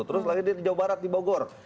terus lagi dia di jawa barat di bogor